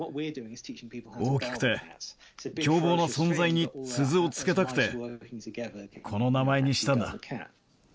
大きくて、凶暴な存在に鈴をつけたくて、この名前にしたんだ。